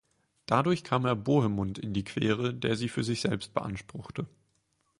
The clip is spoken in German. Dadurch kam er Bohemund in die Quere, der sie für sich selbst beanspruchte.